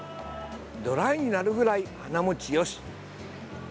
ドライになるぐらい花もちよし。